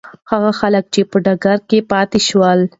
هغه خلک چې په ډګر کې پاتې شول.